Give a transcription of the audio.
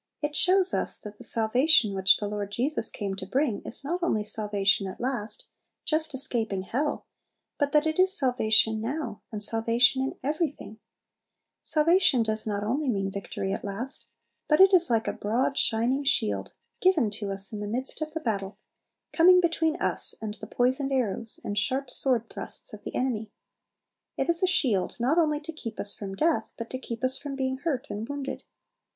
It shows us that the salvation which the Lord Jesus came to bring is not only salvation at last, just escaping hell, but that it is salvation now, and salvation in everything Salvation does not only mean victory at last, but it is like a broad, shining shield, given to us in the midst of the battle, coming between us and the poisoned arrows and sharp sword thrusts of the enemy. It is a shield not only to keep us from death, but to keep us from being hurt and wounded.